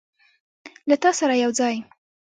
له تا سره یوځای